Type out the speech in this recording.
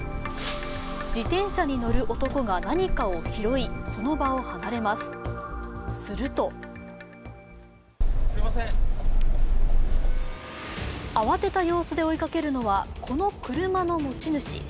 自転車に乗る男が何かを拾い、その場を離れます、すると慌てた様子で追いかけるのはこの車の持ち主。